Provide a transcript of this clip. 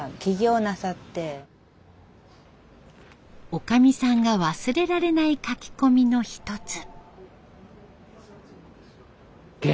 おかみさんが忘れられない書き込みの一つ。